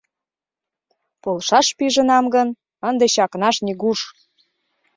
Полшаш пижынам гын, ынде чакнаш нигуш.